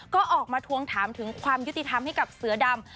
ก็ออกมาทวงถามถึงความยุติธรรมให้กับเสือดำ